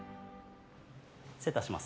失礼いたします。